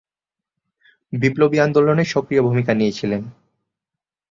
বিপ্লবী আন্দোলনে সক্রিয় ভূমিকা নিয়েছিলেন।